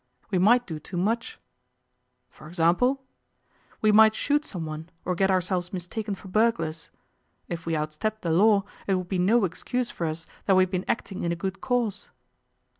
'We might do too much.' 'For example?' 'We might shoot someone, or get ourselves mistaken for burglars. If we outstepped the law, it would be no excuse for us that we had been acting in a good cause.